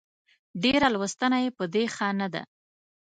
ډېره لوستنه يې په دې ښه نه ده